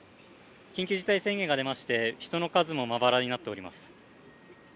緊急事態宣言が出まして、人の数もまばらになっております。